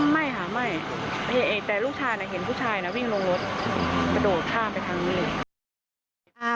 ไม่ค่ะไม่แต่ลูกชายเห็นผู้ชายนะวิ่งลงรถกระโดดข้ามไปทางนี้เลย